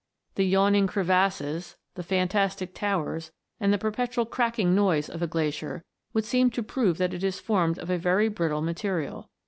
The yawning crevasses, the fantastic towers, and the perpetual crackling noise of a glacier, would seem to prove that it is formed of a very brittle material.